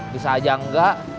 bisa aja enggak